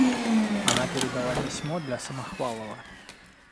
Она передала письмо для Самохвалова.